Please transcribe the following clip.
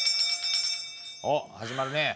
おっ始まるね。